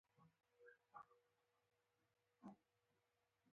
ازادي راډیو د اطلاعاتی تکنالوژي اړوند مرکې کړي.